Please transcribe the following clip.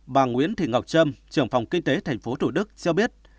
bà nguyễn thị ngọc trâm trưởng phòng kinh tế thành phố thủ đức cho biết